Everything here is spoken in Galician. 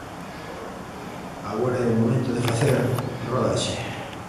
Agora é o momento de facer rodaxe.